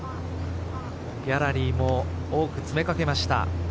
ギャラリーも多く詰めかけました。